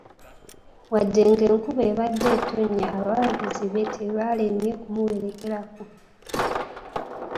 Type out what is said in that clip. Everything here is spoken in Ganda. Wadde ng'enkuba ebadde etonnya, abawagizi be tebalemye kumuwerekerako.